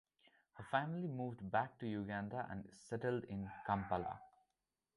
Her family moved back to Uganda and settled in Kampala.